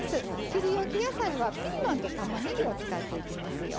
切りおき野菜はピーマンとたまねぎを使っていきますよ。